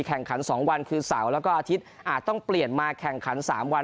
แข่งขัน๒วันคือเสาร์แล้วก็อาทิตย์อาจต้องเปลี่ยนมาแข่งขัน๓วัน